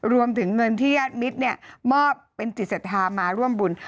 รวมถึงเงินที่ญาติมิตรมอบเป็นจิตศรัทธามาร่วมบุญ